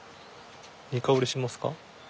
いい香りしますか？